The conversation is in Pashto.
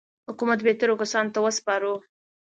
حکومت بهترو کسانو ته وسپارو.